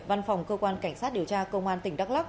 văn phòng cơ quan cảnh sát điều tra công an tỉnh đắk lắc